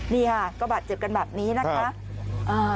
นี่ค่ะก็บาดเจ็บกันแบบนี้นะคะ